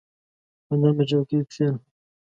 په نرمه چوکۍ کښېنه.